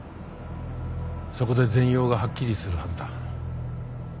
そこで全容がはっきりするはずだ。